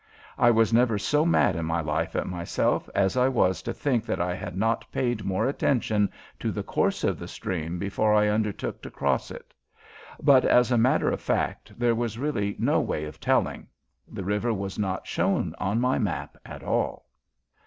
I was never so mad in my life at myself as I was to think that I had not paid more attention to the course of the stream before I undertook to cross it, but, as a matter of fact, there was really no way of telling. The river was not shown on my map at all.